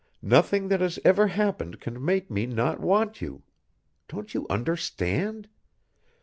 Nothing that has ever happened can make me not want you. Don't you understand?